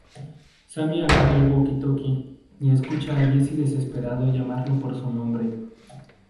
Sammy agarra el walkie-talkie y escucha a Jesse desesperado llamarlo por su nombre.